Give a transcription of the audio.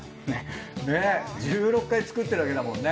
ねっ１６回作ってるわけだもんね。